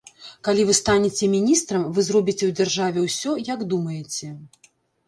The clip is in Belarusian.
Калі вы станеце міністрам, вы зробіце ў дзяржаве ўсё, як думаеце.